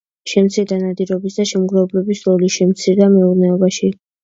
შემცირდა ნადირობის და შემგროვებლობის როლი შემცირდა მეურნეობაში.